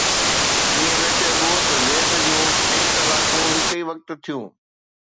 ائين نه چئبو ته زيد جون ٽي طلاقون هڪ ئي وقت ٿيون